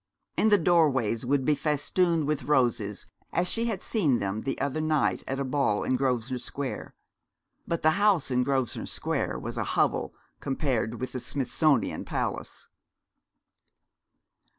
And the doorways would be festooned with roses, as she had seen them the other night at a ball in Grosvenor Square; but the house in Grosvenor Square was a hovel compared with the Smithsonian Palace.